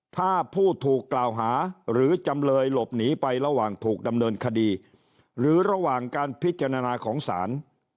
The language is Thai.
ถ้าผู้ถูกกล่าวหาหรือจำเลยหลบหนีไประหว่างถูกดำเนินคดีหรือระหว่างการพิจารณาของศาล